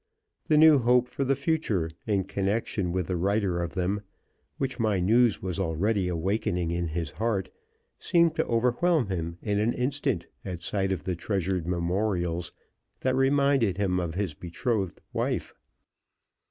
The new hope for the future, in connection with the writer of them, which my news was already awakening in his heart, seemed to overwhelm him in an instant at sight of the treasured memorials that reminded him of his betrothed wife.